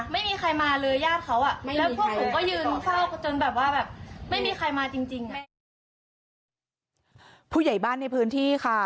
ไม่มีใครมาจริงจริงผู้ใหญ่บ้านในพื้นที่ค่ะ